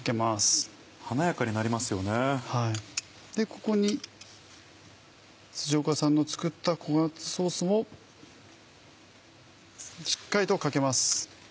ここに辻岡さんの作ったココナッツソースをしっかりとかけます。